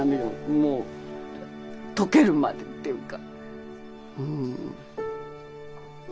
もう溶けるまでっていうか。